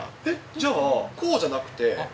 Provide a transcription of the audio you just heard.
じゃあ、こうじゃなくて。